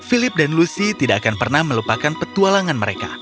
philip dan lucy tidak akan pernah melupakan petualangan mereka